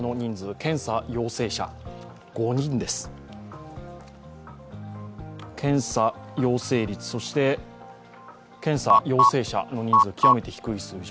検査陽性率、そして検査陽性者の数極めて低い水準。